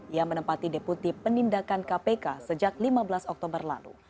ia menempati deputi penindakan kpk sejak lima belas oktober lalu